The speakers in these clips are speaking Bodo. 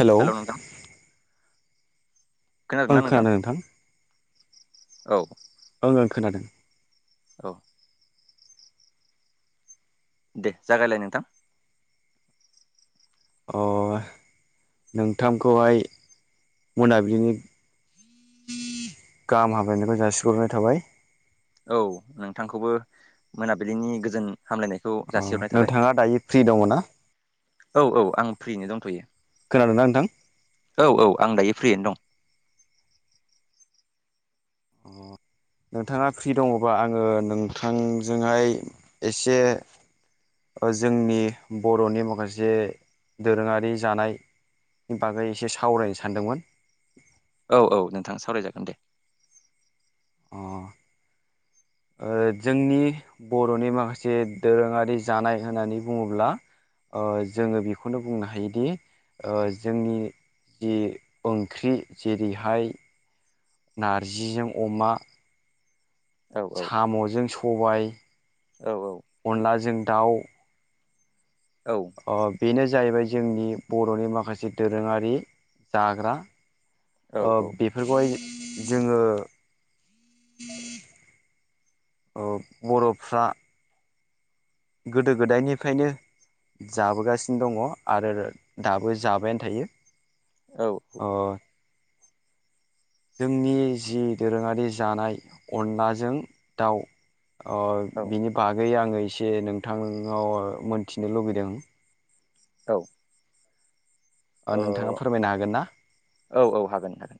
हेलौ हेल' नोंथां खोनादों ना नोंथां औ ओं ओं खोनादों औ दे जागायलाय नोंथां अ नोंथां खौहाय मोनाबिलिनि गाहाम हामलायनायखौ जासिग्रनाय थाबाय औ नोंथांखौबो मोनाबिलिनि गोजोन हामलायनाय अ नोंथाङा दायो फ्रि दङ ना औ औ आं फ्रिनो दंथयो खोनादो ना नोंथां औ औ आं दायो फ्रियैनो दं [inaudible] नोंथाङा फ्रि दङबा आङो नोंथांजोंहाय एसे ओ जोंनि बरनि माखासे दोरोङारि जानाय नि बागै एसे सावरायनो सानदोंमोन औ औ नोंथां सावरायजागोन दे अ ओ जोंनि बरनि माखासे दोरोङारि जानाय होननानै बुङोब्ला ओ जोङो बेखौनो बुंनो हायोदि ओ जोंनि जि ओंख्रि जेरैहाय नारजिजों अमा औ सामजों सबाय औ औ अनलाजों दाउ औ ओ बेनो जाहैबाय जोंनि बर'नि माखासे दोरोङारि दाग्रा औ ओ बेफोरखौहाय जोङो ओ बर'फ्रा गोदो गोदायनिफ्रायनो जाबोगासिनो दङ आरो दाबो जाबायानो थायो। औ। ओ। जोंनि जि दोरोङारि जानाय अनलाजों दाउ ओ बिनि बागै आङो एसे नोंथांनाव मोनथिनो लुुबैदों औ। ओ नोंथाङा फोरमायनो हागोन ना? औ औ हागोन हागोन।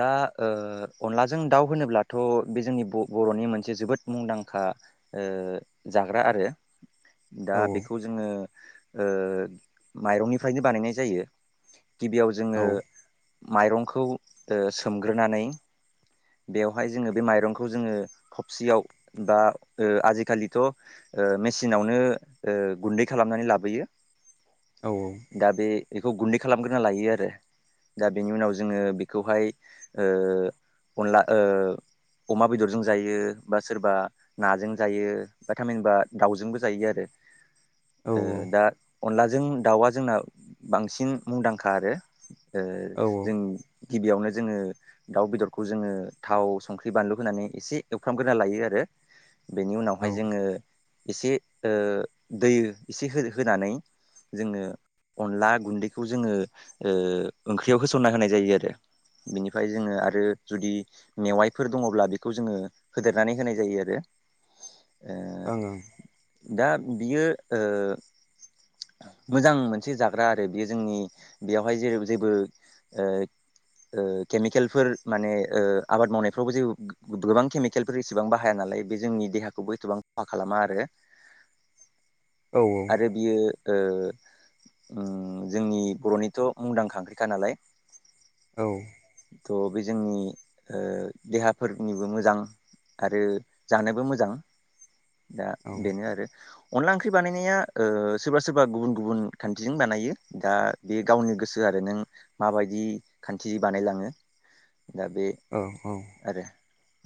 दा ओ अनलाजों दाउ होनोब्लाथ' बे जोंनि ब-बर'नि मोनसे जोबोद मुंदांखा ओ जाग्रा आरो दा औ बेखौ ज जोङो ओ माइरंनिफ्रायनो बानायनाय जायो गिबियाव जोङो औ माइरंखौ ओ सोमग्रोनानै बेवहाय जोङो बे माइरंखौ जोङो खबसियाव बा ओ आजिखालिथ' ओ मेसिनावनो ओ गुन्दै खालामनानै लाबोयो। औ औ। दा बे इखौ गुन्दै खालामग्रोना लायो आरो। दा बेनि उनाव जोङो बेखौहाय ओ अनला ओ अमा बेदरजों जायो बा सोरबा नाजों जायो बा थामहिनबा दाउजोंबो जायो आरो। औ ओ दा अनलाजों दाउआ जोंना बांसिन मुंदांखा आरो। ओ औ जों गिबियावनो जोङो दाउ बेदर खौ जोङो थाव संख्रि बानलु होनानै एसे एवफ्रामग्रोना लायो आरो। बेनि औ उनावहाय जोङो एसे ओ दै एसे हो-होनानै जोङो अनला गुन्दैखौ जोङो ओ ओंख्रियाव होसनना होनाय जायो आरो। बिनिफ्राय जोङो आरो जुदि मेवाइफोर दङब्ला बेखौ जोङो होदेरनानै होनाय जायो आरो‌। ओं ओं। दा बियो ओ मोजां मोनसे जाग्रा आरो बेयो जोंनि बेयावहाय जै जेबो ओ ओ केमिकेलफोर माने ओ आबाद मावनायफ्रावबो जे गोबां केमिकेलफोर एसेबां बाहाया नालाय बे जोंनि देहाखौबो एसेबां खहा खालामा आरो। औ औ। आरो बियो ओ ओम जोंनि बर'निथ' मुंदांखा ओंख्रिखा नालाय। औ। थ' बे जोंनि ओ देहाफोरनिबो मोजां आरो जानोबो मोजां दा बेनो आरो। अनला ओंख्रि बानायनाया ओ सोरबा सोरबा गुबुन गुबुन खान्थिजों बानायो दा बे गावनि गोसो आरो नों माबायदि खान्थि बानायलाङो। दा बे औ औ। आरो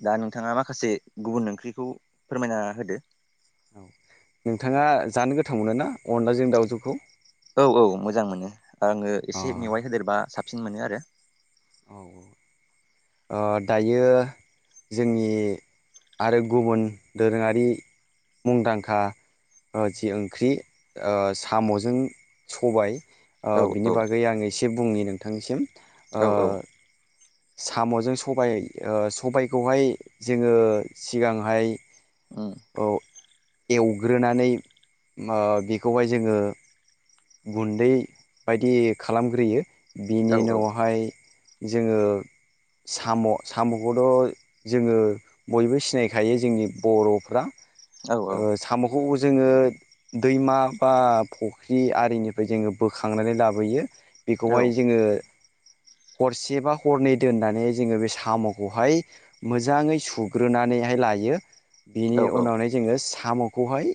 दा नोंथाङा माखासे गुबुन ओंख्रिखौ फोरमायना होदो‌। औ नोंथाङा जानो गोथाव मोनो ना अनलाजों दाउजोखौ? औ औ मोजां मोनो आङो अ एसे मेवाइ होदेरबा साबसिन मोनो आरो। औ [inaudible] ओ दायो जोंनि आरो गुबुन दोरोङारि मुंदांखा ओ जि ओंख्रि ओ साम'जों सबाइ। ओ औ बिनि बागै आं एसे बुंनि नोंथांनिसिम। ओ औ औ साम'जों सबाय सबायखौहाय जोङो सिगांहाय [inaudible] औ एवग्रोनानै बेखौहाय जोङो गुन्दै बायदि खालामग्रोयो औ बिनि औ उनावहाय जोङो साम' साम'खौथ' जोङो बयबो सिनायखायो जोंनि बर'फ्रा औ साम'खौ जोङो दैमा बा फुख्रि आरिनिफ्राय जोङो बोखांनानै लाबोयो औ बेखौहाय जोङो हरसे बा हरनै दोननानै जोङो बे साम'खौहाय मोजाङै सुग्रोनानैहाय लायो बिनि औ औ उनावहाय जोङो साम'खौहाय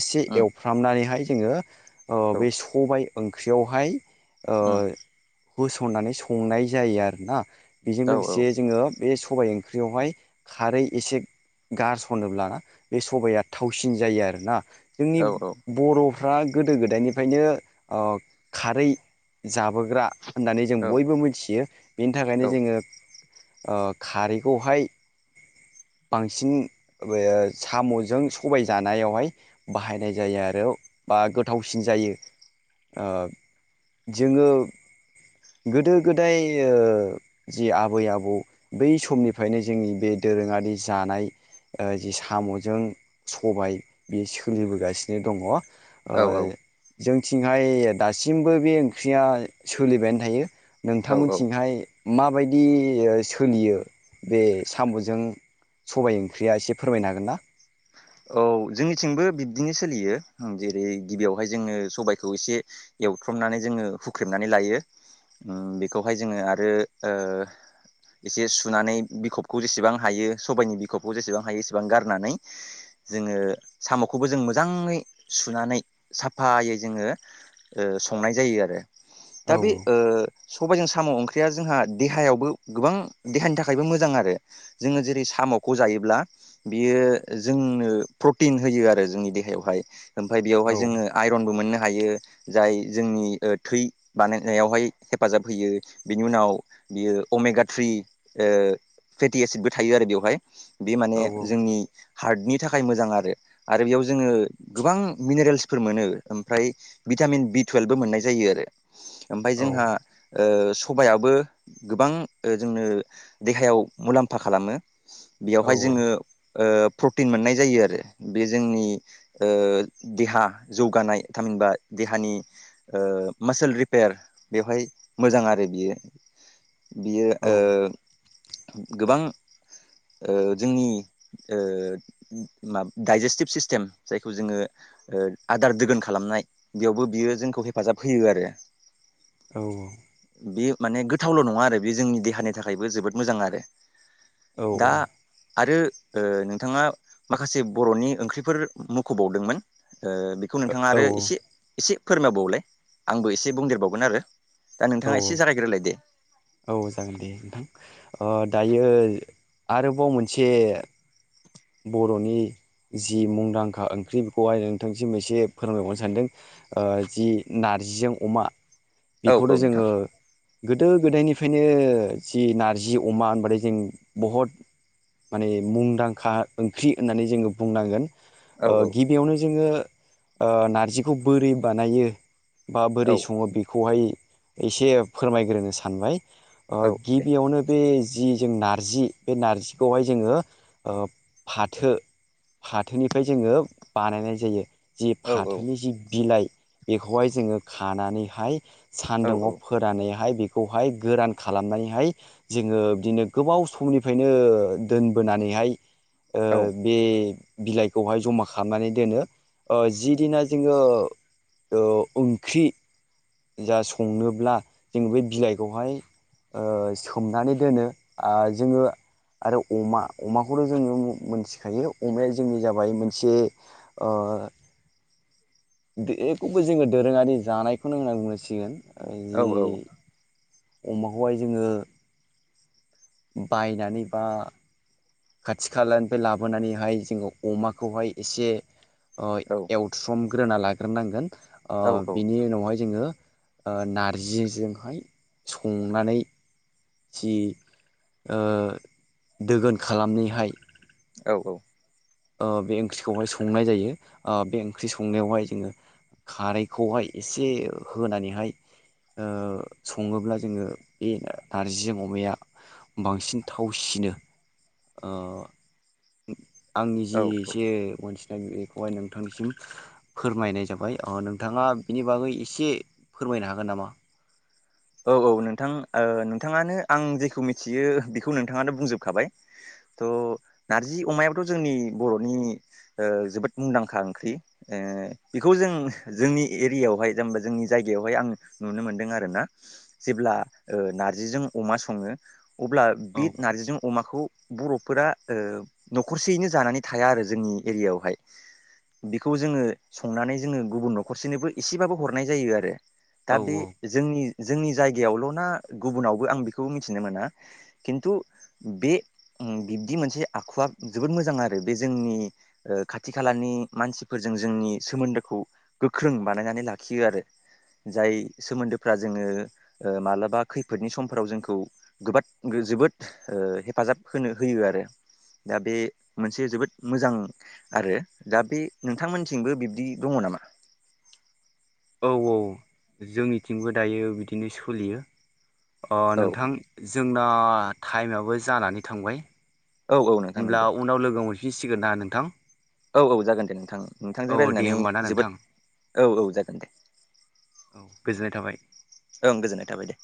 एसे उम एवफ्रामनानैहाय जोङो औ बे सबाय ओंख्रियावहाय ओ उम होसननानै संनाय जायो आरोना बेजों औ औ लोगोसे जोङो बे सबाय ओंख्रियावहाय खारै एसे गारसनोब्ला बे सबाया थावसिन जायो आरोना जोंनि औ औ बर' फ्रा गोदो गोदायनिफ्रायनो खारै जाबोग्रा होननानै जों औ बयबो मिथियो बेनि थाखायनो जोङो खारैखौहाय बांसिन बे साम'जों सबाय जानायावहाय बाहायनाय जायो आरो बा गोथावसिन जायो जोङो गोदो गोदाय ओ जि आबै आबौ बै समनिफ्रायनो जोंनि बे दोरोङारि जानाय जि साम'जों सबाय बे सोलिबोगासिनो दङ। औ जोंथिंहाय दासिमबो बे ओंख्रिया सोलिबायानो थायो। औ औ नोंथांमोनथिंहाय माबायदि सोलियो बे साम'जों सबायाइ ओंख्रिया एसे फोरमायनो हागोन ना? औ जोंनिथिंबो बिब्दिनो सोलियो जेरै गिबियावहाय जोङो सबायखौ एसे एवथ्रमनानै जोङो हुख्रेमनानै लायो बेखौहाय जोङो आरो एसे सुनानै बिखबखौ जेसेबां हायो सबाइनि बिखबखौ जेसेबां हायो एसेबां गारनानै [unintelligible] जोङो साम'खौबो जों मोजाङै सुनानै साफायै जोङो संनाय जायो आरो दा औ बे सबायाइजों साम' ओंख्रिया जोंहा देहायावबो गोबां देहानि थाखायबो मोजां आरो जोङो जेरै साम'खौ जायोब्ला बियो जों जनो प्रटिन होयो आरो जोंनि देहायावहाय ओमफफ्राय औ बेयावहाय जोङो आइरनबो मोननो हायो जाय जोंनि थै बानायनायावहाय हेफाजाब होयो बिनि उनाव बियो अमेगा थ्रि फेटि एसिडबो थायो आरो बेवहाय बे माने औ जोंनि हार्टनि नि थाखाय मोजां आरो आरो बेयाव जोङो गोबां मिनेरेल्सफोर मोनो ओमफ्राय भिटामिन बि टुवेल्भबो मोननाय जायो आरो ओमफ्राय औ जोंहा सबायाबबो गोबां जोंनो देहायाव मुलाम्फा खालामो औ बेयावहाय जोङो प्रटिन मोननाय जायो आरो बे जोंनि ओ- देहा जौगानाय थामहिनबा देहानि ओ- मासोल रिपेयार बेवहाय मोजां आरो बियो बियो ओ गोबां ओ जोंनि ओ उम माब दाइजेस्टिभ सिस्टेम जायखौ जोङो ओ आदार दोगोन खालामनाय बेयावबो बियो जोंखौ हेफाजाब होयो आरो। औ औ। बे माने गोथावल' नङा आरो बे जोंनि देहानि थाखायबो जोबोद मोजां आरो। दा आरो ओ नोंथाङा माखासे बर'नि ओंख्रिफोर मुख' बावदोंमोन ओ बेखौ नोंथाङा औ आरो एसे एसे फोरमायबावलाय आंबो एसे बुंदेरबावगोन आरो दा औ नोंथाङा एसे जारायग्रोलाय दो। औ जागोन दे नोंथां अ दायो आरोबाव मोनसे बर'नि जि मुंदांखा ओंख्रि बेखौहाइ नोंथांसिम एसे फोरमायबावनो सानदों। ओ जि नार्जिजों अमा औ औ बेखौनो नोंथां जोङो गोदो गोदायनिफ्रायनो जि नार्जि अमा होनबथाय जों बहद माने मुंदांखा ओंख्रि होननानै जोङो बुंनांगोन औ ओ औ गि बेयावनो जोङो ओ नार्जिखौ बोरै बानायो बा बोरै औ सङो बे खौहाय एसे फोरमायग्रोनो सानबाय ओ औ दे गिबियावनो बे जि जों नार्जि बे नार्जिखौहाय जोङो ओ फाथो फाथोनिफ्राय जोङो बानायनाय जायो। जि औ औ फाथोनि जि बिलाइ बेखौहाय जोङो खानानैहाय औ सान्दुुंआव फो फोरानैहाय बेखौहाय गोरान खालामनानैहाय जोङो बिदिनो गोबाव समनिफ्रायनो दोनबोनानैहाय ओ औ बे बिलाइखौहाय ज'मा खालामनानै दोनो ओ जि दिना जोङो ओ ओंख्रि जा संनोब्ला जोंङो बे बिलाइखौहाय ओ सोमनानै दोनो आ जोङो आरो अमा अमाखौल' जोङो मोन्थिखायो अमाया जोंनि जाबाय मोनसे ओ बे खौबो जोङो दोरोङारि जानायखौनो होनना बुंनांसिगोन। औ जि औ। अमाखौहाय जोङो बायनानै बा खाथि खालानिफ्राय लाबोनानैहाय जोङो अमाखौहाय एसे ओ औ एव समग्रोना लाग्रोनांगोन ओ बेनि उनावहाय जोङो ओ नार्जिजोंहाय संनानै जि ओ दोगोन ओ खालामनिहाय औ औ। ओ बे ओंख्रिखौहाय संनाय जायो ओ बे ओंख्रि संनायावहाय जोङो खारैखौहाय एसे होनानैहाय ओ सङोब्ला जोङो बे नार्जिजों अमाया बांसिन थावसिनो ओ आंनि जि एसे औ मोन्थिनाय बेखौहाय नोंथांनिसिम फोरमायनाय जाबाय अ नोंथाङा बिनि बागै इसे फोरमायनो हागोन नामा? औ औ नोंथां ओ नोंथाङानो आं जेखौ मिथियो बेखौ नोंथाङानो बुंजोबखाबाय। थ' नार्जि अमायाबोथ' जोंनि बर'नि ओ जोबोद मुंदांखा ओंख्रि। ओ बिखौ जों जोंनि एरियावहाय जानबा जोंनि जायगायावहाय आं नुनो मोनदों आरोना। जेब्ला ओ नार्जिजों अमा सङो अब्ला औ बे नार्जिजों अमाखौ बर'फोरा ओ न'खरसेयैनो जानानै थाया आरो जोंनि एरियावहाय। बिखौ जोङो संनानै जोङो गुबुन न'खरसेनोबो इसेबाबो हरनाय जायो आरो। दा औ बे जोंनि जोंनि जायगायावल' ना गुबुनावबो आं बिखौ मिथिनो मोना। खिन्तु बे उम बिब्दि मोनसे आखुआ जोबोद मोजां आरो बे जोंनि ओ खाथि खालानि मानसिफोरजों जोंनि सोमोन्दोखौ गोख्रों बानायनानै लाखियो आरो जाय सोमोन्दोफ्रा जोङो मालाबा खैफोदनि समफ्राव जोंखौ गोबाद- जोबोद हेफाजाब होनो होयो आरो। दा बे मोनसे जोबोद मोजां आरो दा बे नोंथांमोनथिंबो बिब्दि दङ नामा? औ औ जोंनिथिंबो दायो बिदिनो सोलियो औ नोंथां जोंना टाइमाबबो जानानै थांबाय औ औ नोंथां होमब्ला नंगौ उनाव लोगो मोनफिनसिगोन ना नोंथां। औ औ जागोन दे नोंथां औ नोंथांजों दे रायलायनानै होमबा ना नोंथां जोबोद औ औ जागोन दे औ गोजोननाय थाबाय ओं गोजोननाय थाबाय दे